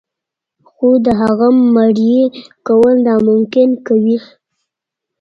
خو د هغه مريي کول ناممکن کوي.